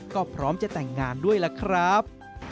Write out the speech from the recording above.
ก็พร้อมจะแต่งงานด้วยล่ะครับ